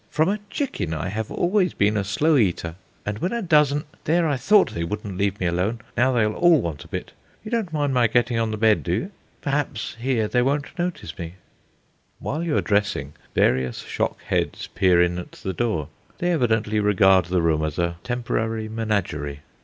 From a chicken I have always been a slow eater, and when a dozen there, I thought they wouldn't leave me alone. Now they'll all want a bit. You don't mind my getting on the bed, do you? Perhaps here they won't notice me." While you are dressing various shock heads peer in at the door; they evidently regard the room as a temporary menagerie.